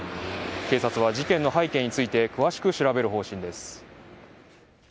警察は事件の背景について詳しく調べる方針です。